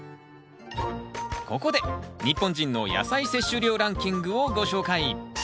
ここで日本人の野菜摂取量ランキングをご紹介。